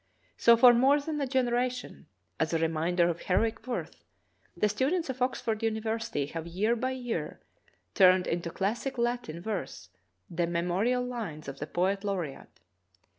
So for more than a generation, as a reminder of heroic worth, the students of Oxford University have year by year turned into classic latin verse the memo rial lines of the poet laureate.